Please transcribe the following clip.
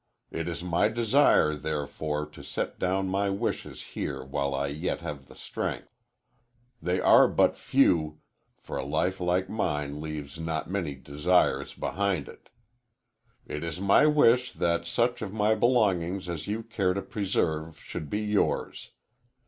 It is my desire, therefore, to set down my wishes here while I yet have strength. They are but few, for a life like mine leaves not many desires behind it. It is my wish that such of my belongings as you care to preserve should be yours.